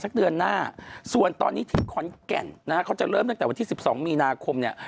เกณฑ์การตัดสินคืออะไรคะ